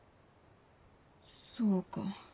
そうか。